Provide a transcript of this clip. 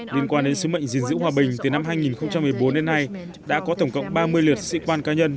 liên quan đến sứ mệnh gìn giữ hòa bình từ năm hai nghìn một mươi bốn đến nay đã có tổng cộng ba mươi lượt sĩ quan cá nhân